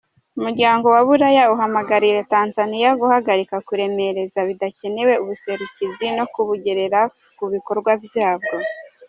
"Umuryango wa Buraya uhamagariye Tanzaniya guhagarika kuremereza bidakenewe ubuserukizi, no kubugerera mu bikogwa vyabwo.